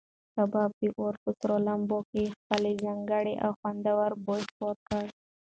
کباب د اور په سرو لمبو کې خپل ځانګړی او خوندور بوی خپور کړ.